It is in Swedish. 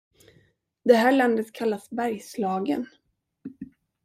Det här landet kallas Bergslagen.